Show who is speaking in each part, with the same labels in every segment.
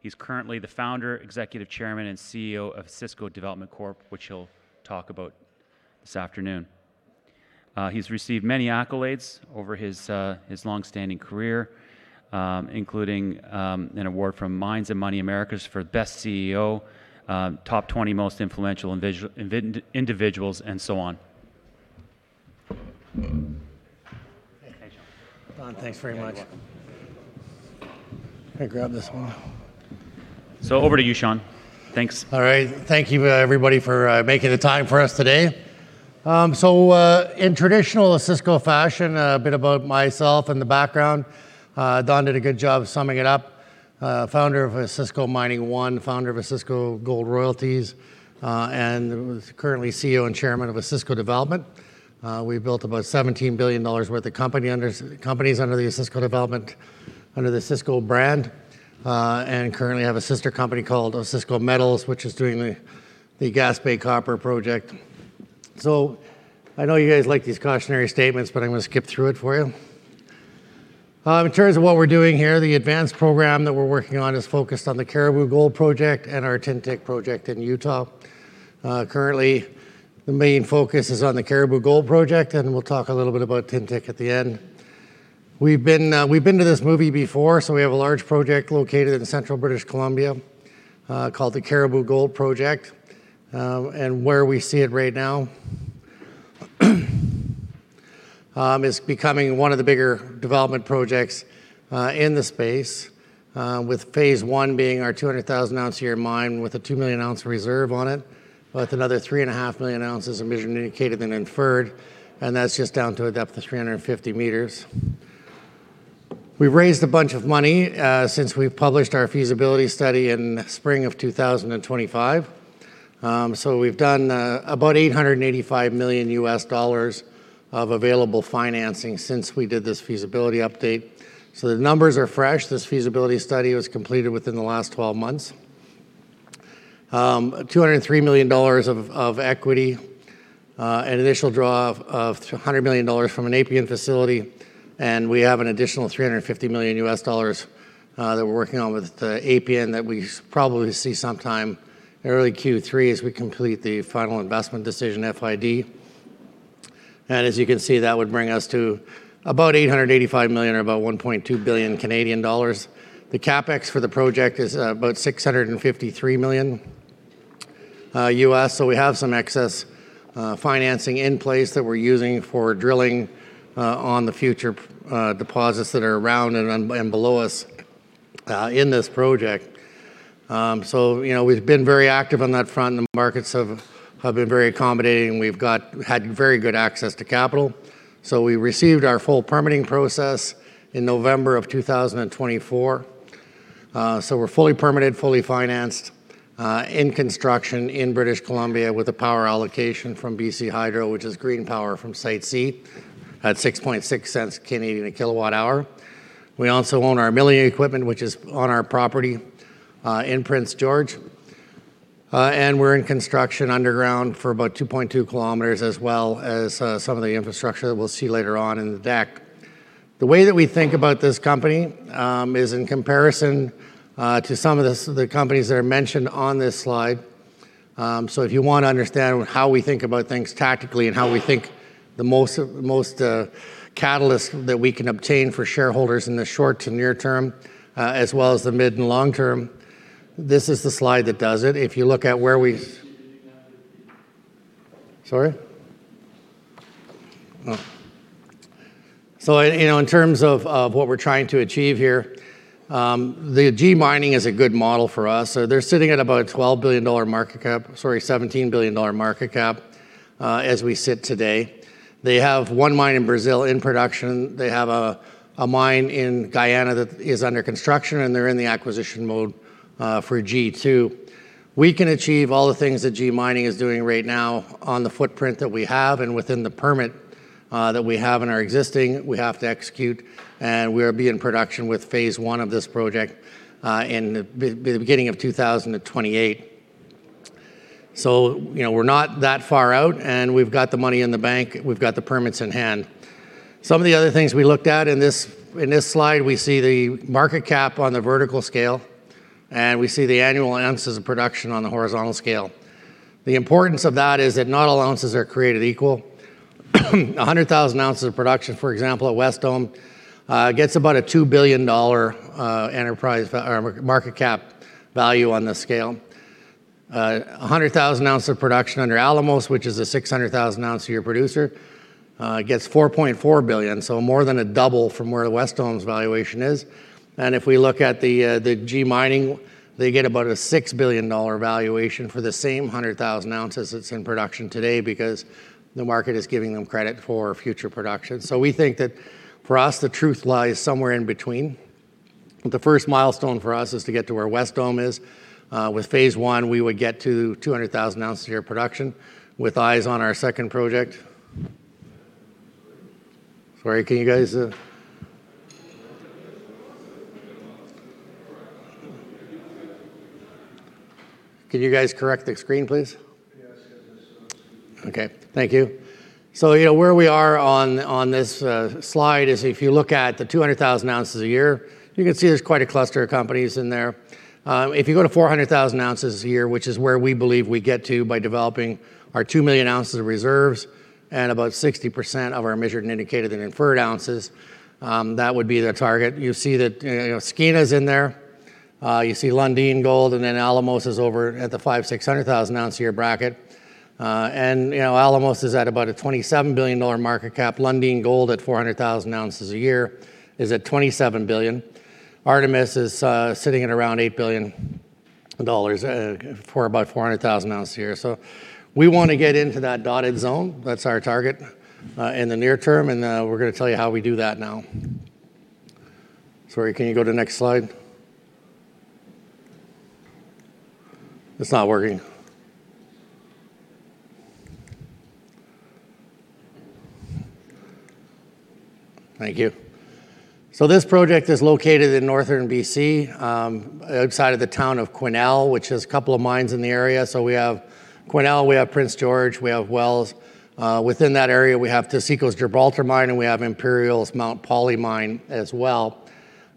Speaker 1: He's currently the Founder, Executive Chairman, and CEO of Osisko Development Corp., which he'll talk about this afternoon. He's received many accolades over his longstanding career, including an award from Mines and Money Americas for Best CEO, Top 20 Most Influential Individuals, and so on.
Speaker 2: Hey, Don.
Speaker 1: Thank you.
Speaker 2: Don, thanks very much.
Speaker 1: You're welcome.
Speaker 2: I'll grab this one.
Speaker 1: Over to you, Sean. Thanks.
Speaker 2: All right. Thank you everybody for making the time for us today. In traditional Osisko fashion, a bit about myself and the background, Don did a good job summing it up. I am the Founder of Osisko Mining 1, Founder of Osisko Gold Royalties, and currently CEO and Chairman of Osisko Development. We built about 17 billion dollars worth of companies under the Osisko brand and currently have a sister company called Osisko Metals, which is doing the Gaspé Copper Project. I know you guys like these cautionary statements, but I'm going to skip through it for you. In terms of what we're doing here, the advanced program that we're working on is focused on the Cariboo Gold Project and our Tintic Project in Utah. Currently, the main focus is on the Cariboo Gold Project, and we'll talk a little bit about Tintic at the end. We've been to this movie before, so we have a large project located in the central British Columbia, called the Cariboo Gold Project. Where we see it right now is becoming one of the bigger development projects in the space, with phase one being our 200,000-ounce a year mine with a 2 million oz reserve on it, with another 3.5 million oz of measured, indicated, and inferred, and that's just down to a depth of 350 m. We've raised a bunch of money since we've published our feasibility study in spring of 2025. We've done about $885 million of available financing since we did this feasibility update. The numbers are fresh. This feasibility study was completed within the last 12 months. $203 million of equity, an initial draw of $100 million from an Appian facility, and we have an additional $350 million that we're working on with Appian that we probably see sometime early Q3 as we complete the final investment decision, FID. As you can see, that would bring us to about $885 million or about 1.2 billion Canadian dollars. The CapEx for the project is about $653 million, so we have some excess financing in place that we're using for drilling on the future deposits that are around and below us in this project. We've been very active on that front, and the markets have been very accommodating. We've had very good access to capital. We received our full permitting process in November of 2024. We're fully permitted, fully financed, in construction in British Columbia with a power allocation from BC Hydro, which is green power from Site C at 0.066 a kWh. We also own our milling equipment, which is on our property in Prince George. We're in construction underground for about 2.2 km as well as some of the infrastructure that we'll see later on in the deck. The way that we think about this company is in comparison to some of the companies that are mentioned on this slide. If you want to understand how we think about things tactically and how we think the most catalyst that we can obtain for shareholders in the short- to near-term, as well as the mid- and long-term, this is the slide that does it. Sorry? Oh. In terms of what we're trying to achieve here, the G Mining is a good model for us. They're sitting at about a 17 billion dollar market cap as we sit today. They have one mine in Brazil in production. They have a mine in Guyana that is under construction, and they're in the acquisition mode for G2. We can achieve all the things that G Mining is doing right now on the footprint that we have and within the permit that we have. We have to execute, and we'll be in production with phase one of this project in the beginning of 2028. We're not that far out, and we've got the money in the bank. We've got the permits in hand. Some of the other things we looked at in this slide, we see the market cap on the vertical scale, and we see the annual ounces of production on the horizontal scale. The importance of that is that not all ounces are created equal. 100,000 oz of production, for example, at Wesdome, gets about a 2 billion dollar enterprise market cap value on the scale. 100,000 oz of production under Alamos, which is a 600,000 oz a year producer, gets 4.4 billion, so more than a double from where Wesdome's valuation is. If we look at the G Mining, they get about a 6 billion dollar valuation for the same 100,000 oz that's in production today because the market is giving them credit for future production. We think that for us, the truth lies somewhere in between. The first milestone for us is to get to where Wesdome is. With phase one, we would get to 200,000 oz a year production with eyes on our second project. Sorry, can you guys correct the screen, please? Okay. Thank you. Where we are on this slide is if you look at the 200,000 oz a year, you can see there's quite a cluster of companies in there. If you go to 400,000 oz a year, which is where we believe we get to by developing our 2 million oz of reserves and about 60% of our measured and indicated and inferred ounces, that would be the target. You see that Skeena's in there. You see Lundin Gold, and then Alamos is over at the 500,000 oz-600,000 oz a year bracket. Alamos is at about a 27 billion dollar market cap. Lundin Gold, at 400,000 oz a year, is at 27 billion. Artemis is sitting at around 8 billion dollars for about 400,000 oz a year. We want to get into that dotted zone. That's our target in the near term, and we're going to tell you how we do that now. Sorry, can you go to next slide? It's not working. Thank you. This project is located in northern B.C., outside of the town of Quesnel, which has a couple of mines in the area. We have Quesnel, we have Prince George, we have Wells. Within that area, we have Taseko's Gibraltar Mine, and we have Imperial's Mount Polley Mine as well.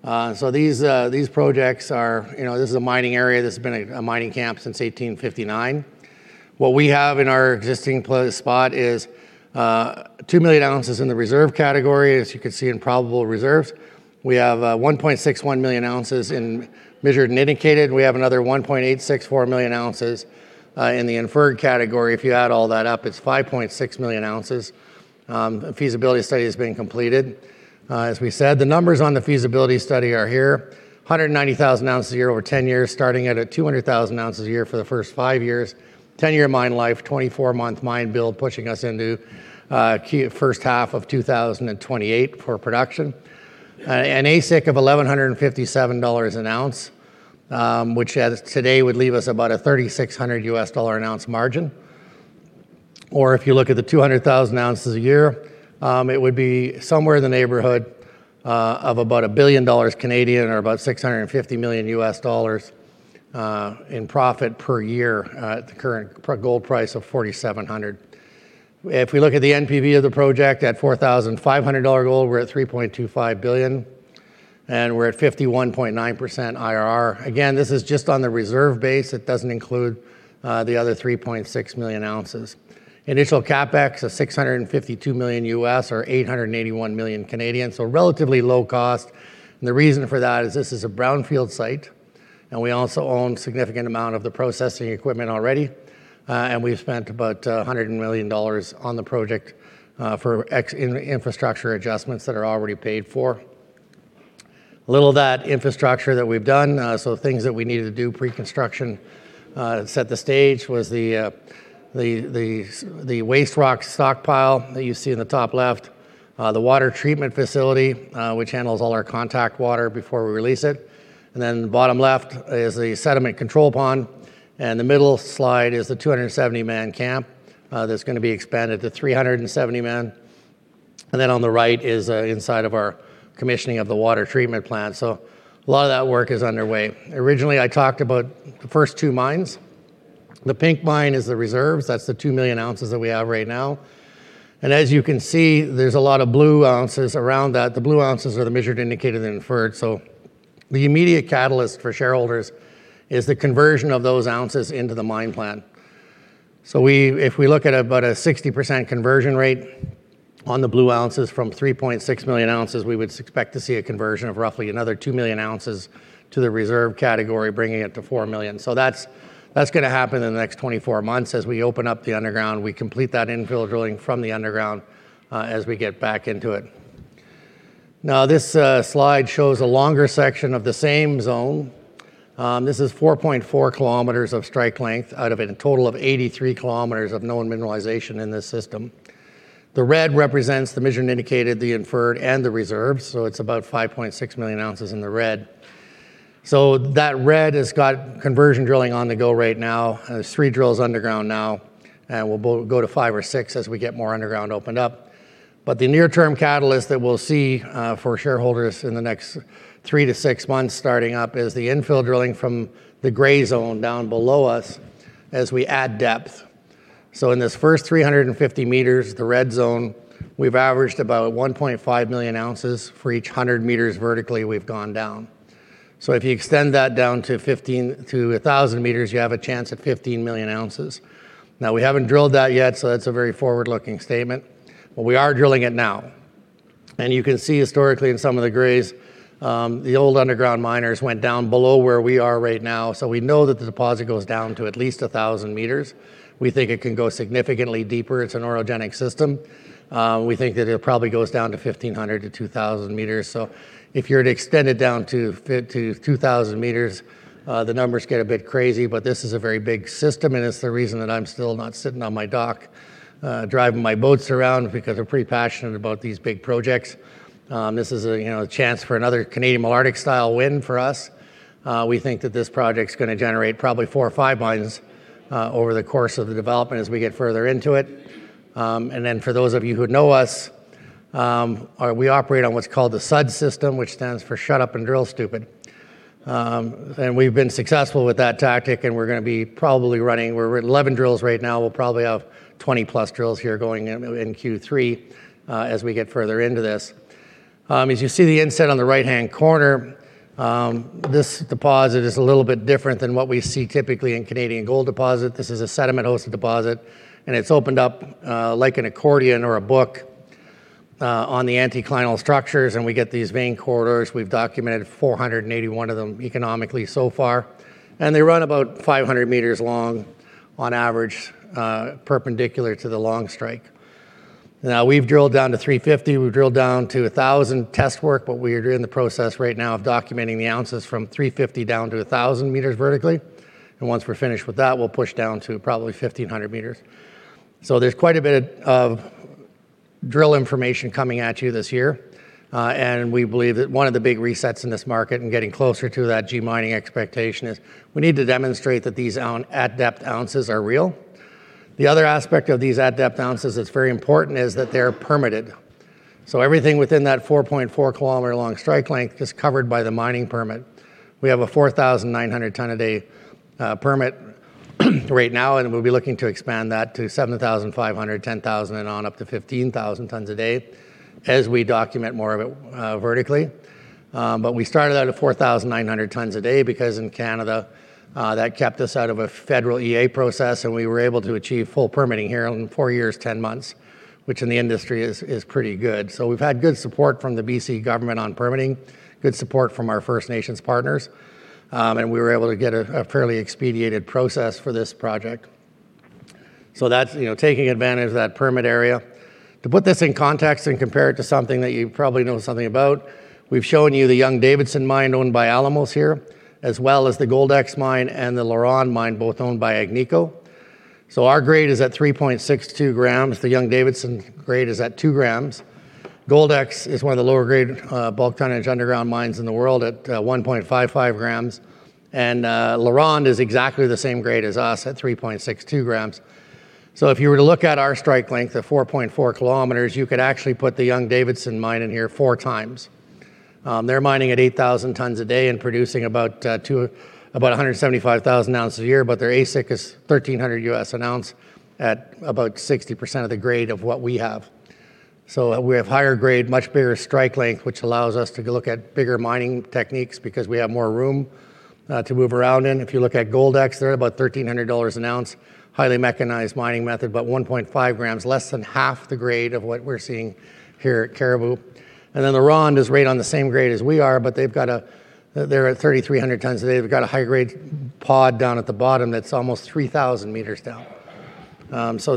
Speaker 2: This is a mining area that's been a mining camp since 1859. What we have in our existing spot is 2 million oz in the reserve category, as you can see in probable reserves. We have 1.61 million oz in measured and indicated. We have another 1.864 million oz in the inferred category. If you add all that up, it's 5.6 million oz. A feasibility study has been completed. As we said, the numbers on the feasibility study are here, 190,000 oz a year over 10 years, starting at 200,000 oz a year for the first five years, 10-year mine life, 24-month mine build, pushing us into first half of 2028 for production. An AISC of 1,157 dollars an ounce, which as of today would leave us about a $3,600 an ounce margin. If you look at the 200,000 oz a year, it would be somewhere in the neighborhood of about 1 billion dollars or about $650 million in profit per year at the current gold price of 4,700. If we look at the NPV of the project at 4,500 dollar gold, we're at 3.25 billion, and we're at 51.9% IRR. Again, this is just on the reserve base. It doesn't include the other 3.6 million oz. Initial CapEx of $652 million or 881 million, so relatively low cost. The reason for that is this is a brownfield site, and we also own significant amount of the processing equipment already. We've spent about $100 million on the project for infrastructure adjustments that are already paid for. A little of that infrastructure that we've done, so things that we needed to do pre-construction to set the stage, was the waste rock stockpile that you see in the top left, the water treatment facility, which handles all our contact water before we release it. The bottom left is a sediment control pond, and the middle slide is the 270-man camp that's going to be expanded to 370 men. On the right is inside of our commissioning of the water treatment plant. A lot of that work is underway. Originally, I talked about the first two mines. The pink mine is the reserves. That's the 2 million oz that we have right now. As you can see, there's a lot of blue ounces around that. The blue ounces are the measured and indicated and inferred. The immediate catalyst for shareholders is the conversion of those ounces into the mine plan. If we look at about a 60% conversion rate on the blue ounces from 3.6 million oz, we would expect to see a conversion of roughly another 2 million oz to the reserve category, bringing it to 4 million. That's going to happen in the next 24 months as we open up the underground, we complete that infill drilling from the underground as we get back into it. Now, this slide shows a longer section of the same zone. This is 4.4 km of strike length out of a total of 83 km of known mineralization in this system. The red represents the measured and indicated, the inferred, and the reserves, so it's about 5.6 million oz in the red. That red has got conversion drilling on the go right now. There's three drills underground now, and we'll go to five or six as we get more underground opened up. The near-term catalyst that we'll see for shareholders in the next three to six months starting up is the infill drilling from the gray zone down below us as we add depth. In this first 350 m, the red zone, we've averaged about 1.5 million oz for each 100 m vertically we've gone down. If you extend that down to 1,000 m, you have a chance at 15 million oz. Now, we haven't drilled that yet, so that's a very forward-looking statement, but we are drilling it now. You can see historically in some of the grays, the old underground miners went down below where we are right now. We know that the deposit goes down to at least 1,000 m. We think it can go significantly deeper. It's an orogenic system. We think that it probably goes down to 1,500 m-2,000 m. If you were to extend it down to 2,000 m, the numbers get a bit crazy, but this is a very big system, and it's the reason that I'm still not sitting on my dock, driving my boats around, because we're pretty passionate about these big projects. This is a chance for another Canadian Malartic-style win for us. We think that this project's going to generate probably four or five mines over the course of the development as we get further into it. For those of you who know us, we operate on what's called the SUD system, which stands for Shut Up and Drill Stupid. We've been successful with that tactic, and we're at 11 drills right now. We'll probably have 20+ drills here going in Q3 as we get further into this. As you see the inset on the right-hand corner, this deposit is a little bit different than what we see typically in Canadian gold deposit. This is a sediment-hosted deposit, and it's opened up like an accordion or a book on the anticlinal structures, and we get these vein corridors. We've documented 481 of them economically so far, and they run about 500 m long on average, perpendicular to the long strike. Now, we've drilled down to 350, we've drilled down to 1,000 test work, but we are in the process right now of documenting the ounces from 350 down to 1,000 m vertically. Once we're finished with that, we'll push down to probably 1,500 m. There's quite a bit of drill information coming at you this year. We believe that one of the big resets in this market and getting closer to that G Mining expectation is we need to demonstrate that these at-depth ounces are real. The other aspect of these at-depth ounces that's very important is that they're permitted. Everything within that 4.4 km long strike length is covered by the mining permit. We have a 4,900 ton a day permit right now, and we'll be looking to expand that to 7,500, 10,000, and on up to 15,000 tons a day as we document more of it vertically. We started out at 4,900 tons a day because in Canada, that kept us out of a federal EA process, and we were able to achieve full permitting here in four years, 10 months, which in the industry is pretty good. We've had good support from the B.C. government on permitting, good support from our First Nations partners, and we were able to get a fairly expedited process for this project. That's taking advantage of that permit area. To put this in context and compare it to something that you probably know something about, we've shown you the Young-Davidson mine owned by Alamos here, as well as the Goldex mine and the LaRonde mine, both owned by Agnico. Our grade is at 3.62 g. The Young-Davidson grade is at 2 g. Goldex is one of the lower grade bulk tonnage underground mines in the world at 1.55 g. LaRonde is exactly the same grade as us at 3.62 g. If you were to look at our strike length of 4.4 km, you could actually put the Young-Davidson mine in here four times. They're mining at 8,000 tons a day and producing about 175,000 oz a year, but their AISC is $1,300 an ounce at about 60% of the grade of what we have. We have higher grade, much bigger strike length, which allows us to look at bigger mining techniques because we have more room to move around in. If you look at Goldex, they're at about 1,300 dollars an ounce, highly mechanized mining method, but 1.5 g, less than half the grade of what we're seeing here at Cariboo. LaRonde is right on the same grade as we are, but they're at 3,300 tons a day. They've got a high-grade pod down at the bottom that's almost 3,000 m down.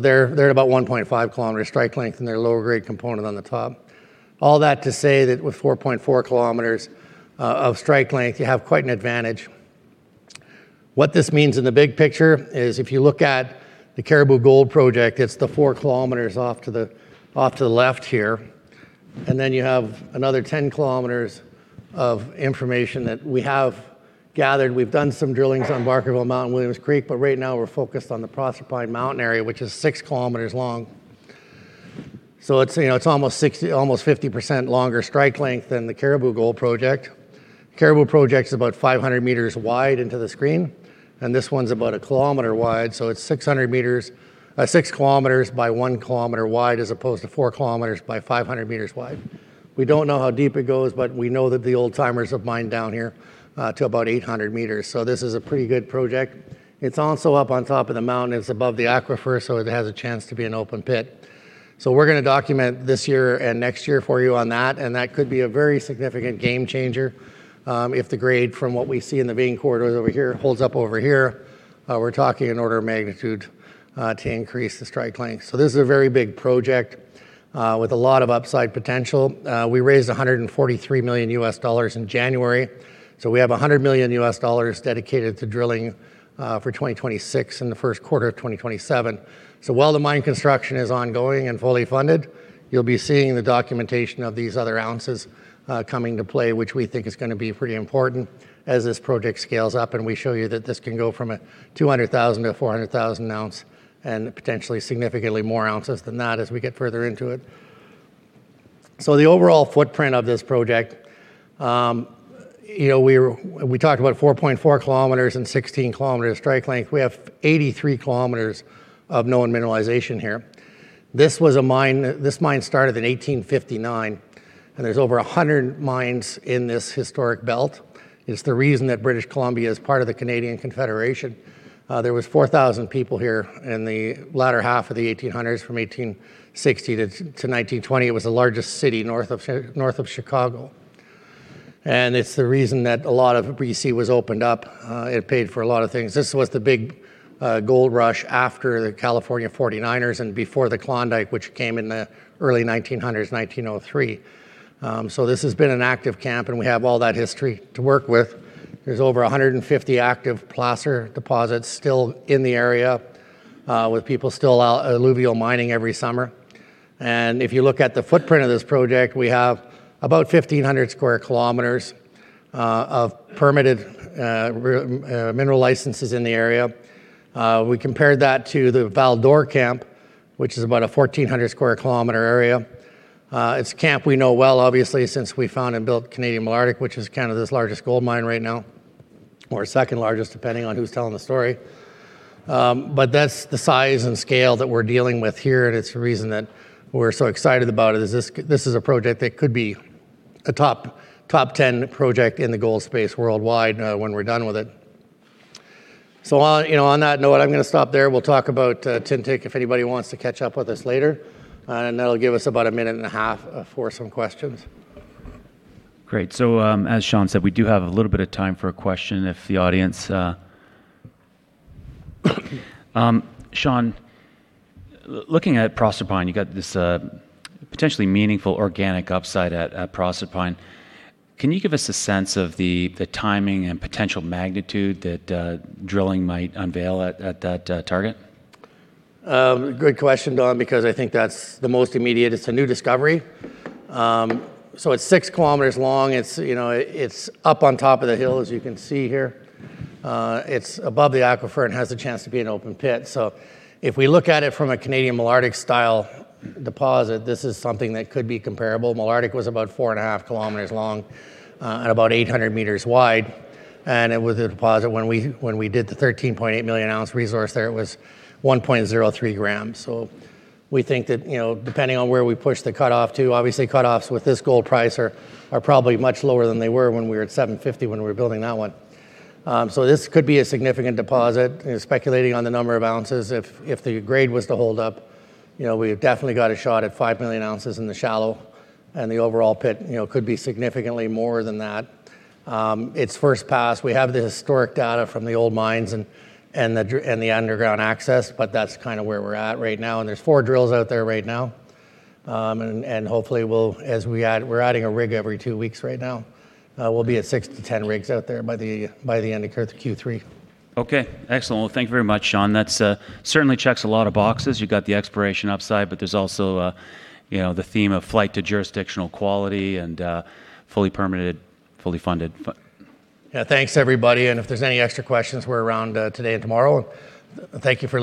Speaker 2: They're at about 1.5 km strike length and their lower grade component on the top. All that to say that with 4.4 km of strike length, you have quite an advantage. What this means in the big picture is if you look at the Cariboo Gold Project, it's the four km off to the left here, and then you have another 10 km of information that we have gathered. We've done some drillings on Barkerville Mountain, Williams Creek, but right now we're focused on the Proserpine Mountain area, which is 6 km long. It's almost 50% longer strike length than the Cariboo Gold Project. Cariboo Project's about 500 m wide into the screen, and this one's about a kilometer wide, so it's 6 km by 1 km wide as opposed to four km by 500 m wide. We don't know how deep it goes, but we know that the old-timers have mined down here to about 800 m, so this is a pretty good project. It's also up on top of the mountain. It's above the aquifer, so it has a chance to be an open pit. We're going to document this year and next year for you on that, and that could be a very significant game changer if the grade from what we see in the vein corridors over here holds up over here. We're talking an order of magnitude to increase the strike length. This is a very big project with a lot of upside potential. We raised $143 million in January. We have $100 million dedicated to drilling for 2026 and the first quarter of 2027. While the mine construction is ongoing and fully funded, you'll be seeing the documentation of these other ounces coming to play, which we think is going to be pretty important as this project scales up and we show you that this can go from a 200,000 oz-400,000 oz and potentially significantly more ounces than that as we get further into it. The overall footprint of this project, we talked about 4.4 km and 16 km strike length. We have 83 km of known mineralization here. This mine started in 1859, and there's over 100 mines in this historic belt. It's the reason that British Columbia is part of the Canadian Confederation. There was 4,000 people here in the latter half of the 1800s from 1860-1920. It was the largest city north of San Francisco, and it's the reason that a lot of BC was opened up. It paid for a lot of things. This was the big gold rush after the California 49ers and before the Klondike, which came in the early 1900s, 1903. This has been an active camp, and we have all that history to work with. There's over 150 active placer deposits still in the area with people still out alluvial mining every summer. If you look at the footprint of this project, we have about 1,500 sq km of permitted mineral licenses in the area. We compared that to the Val d'Or Camp, which is about a 1,400 sq km area. It's a camp we know well, obviously, since we found and built Canadian Malartic, which is Canada's largest gold mine right now, or second largest, depending on who's telling the story. That's the size and scale that we're dealing with here, and it's the reason that we're so excited about it. This is a project that could be a top 10 project in the gold space worldwide when we're done with it. On that note, I'm going to stop there. We'll talk about Tintic if anybody wants to catch up with us later. That'll give us about a minute and a half for some questions.
Speaker 1: Great. As Sean said, we do have a little bit of time for a question. Sean, looking at Proserpine, you got this potentially meaningful organic upside at Proserpine. Can you give us a sense of the timing and potential magnitude that drilling might unveil at that target?
Speaker 2: Good question, Don, because I think that's the most immediate. It's a new discovery. It's 6 km long. It's up on top of the hill, as you can see here. It's above the aquifer and has the chance to be an open pit. If we look at it from a Canadian Malartic-style deposit, this is something that could be comparable. Malartic was about four and a half kilometers long and about 800 m wide, and it was a deposit. When we did the 13.8 million oz resource there, it was 1.03 g. We think that depending on where we push the cutoff to, obviously cutoffs with this gold price are probably much lower than they were when we were at 750 when we were building that one. This could be a significant deposit. Speculating on the number of ounces, if the grade was to hold up, we've definitely got a shot at 5 million oz in the shallow, and the overall pit could be significantly more than that. It's first pass. We have the historic data from the old mines and the underground access, but that's kind of where we're at right now, and there's four drills out there right now. We're adding a rig every two weeks right now. We'll be at six-10 rigs out there by the end of Q3.
Speaker 1: Okay. Excellent. Well, thank you very much, Sean. That certainly checks a lot of boxes. You got the exploration upside, but there's also the theme of flight to jurisdictional quality and fully permitted, fully funded.
Speaker 2: Yeah. Thanks, everybody, and if there's any extra questions, we're around today and tomorrow. Thank you.